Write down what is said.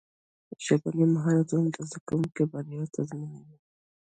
ژبني مهارتونه د زدهکوونکو بریا تضمینوي.